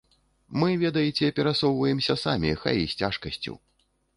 Мы, ведаеце, перасоўваемся самі, хай і з цяжкасцю.